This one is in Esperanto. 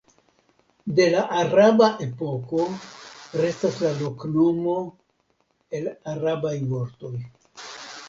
De la araba epoko restas la loknomo el arabaj vortoj.